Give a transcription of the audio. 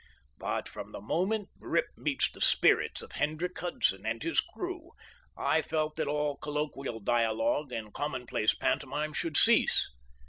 But from the moment Rip meets the spirits of Hendrik Hudson and his crew I felt that all colloquial dialogue and commonplace pantomime should cease.